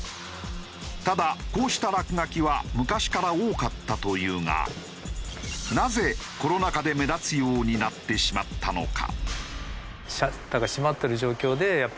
ただこうした落書きは昔から多かったというがなぜコロナ禍で目立つようになってしまったのか？